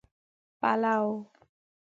پلو